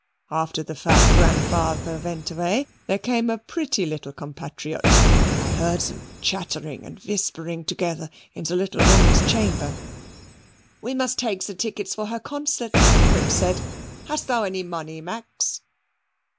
"After the fat grandfather went away, there came a pretty little compatriot. I heard them chattering and whimpering together in the little woman's chamber." "We must take the tickets for her concert," Fritz said. "Hast thou any money, Max?"